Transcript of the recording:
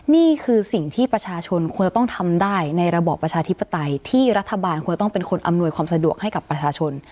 นี่คือสิ่งที่ประชาชนควรจะต้องทำได้ในระบอบประชาธิปไตยที่รัฐบาลควรต้องเป็นคนอำนวยความสะดวกให้กับประชาชน